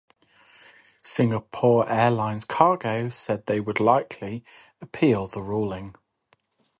Singapore Airlines Cargo said it would likely appeal the ruling.